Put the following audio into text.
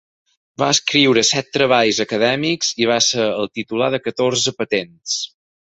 Va escriure set treballs acadèmics i va ser el titular de catorze patents.